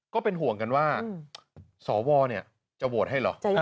ก็เป็นห่วงกันว่าสวจะโหวตให้เหรอ